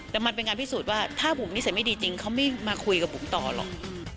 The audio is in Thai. แต่มันเป็นการพิสูจน์ว่าถ้าผมนิสัยไม่ดีจริงเขาไม่มาคุยกับผมต่อหรอก